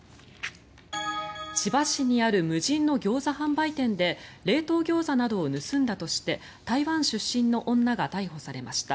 千葉市にある無人のギョーザ販売店で冷凍ギョーザなどを盗んだとして台湾出身の女が逮捕されました。